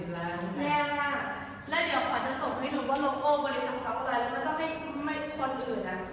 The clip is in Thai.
ไม่ต้องให้คนอื่นอะ